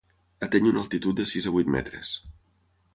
Ateny una altitud de sis a vuit metres.